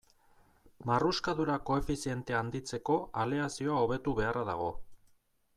Marruskadura koefizientea handitzeko aleazioa hobetu beharra dago.